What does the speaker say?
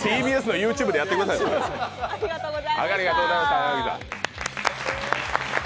ＴＢＳのＹｏｕＴｕｂｅでやってください、それ。